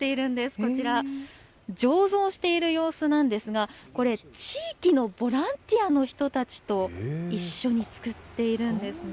こちら、醸造している様子なんですが、これ、地域のボランティアの人たちと一緒に造っているんですね。